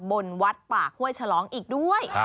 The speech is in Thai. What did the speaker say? บนวัดป่าห้วยฉลองอีกด้วย